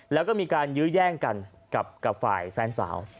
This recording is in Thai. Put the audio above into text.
แล้วก็มีการยื้อแย่งกันกับฝ่ายแฟนสาว